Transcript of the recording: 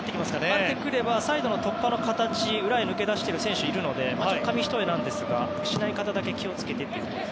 合ってくればサイドの突破の形裏に抜けだしてる選手がいるので紙一重なんですけどそこだけ気を付けて。